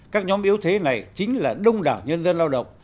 các nhóm yếu thế này chính là đông đảo nhân dân lao động